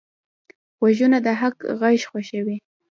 غوږونه د حق غږ خوښوي